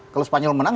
kalau spanyol menang